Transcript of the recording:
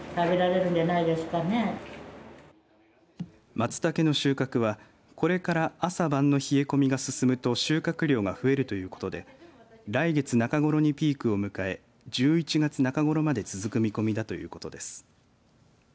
まつたけの収穫はこれから朝晩の冷え込みが進むと収穫量が増えるということで来月中ごろにピークを迎え１１月中ごろまで続く見込みだということです。